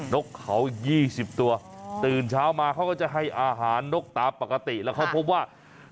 นกเขา๒๐ตัวตื่นเช้ามาเขาก็จะให้อาหารนกตามปกติแล้วเขาพบว่า